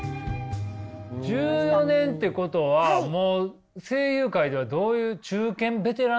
１４年ってことはもう声優界ではどういう中堅ベテランとか？